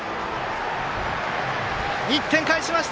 １点返しました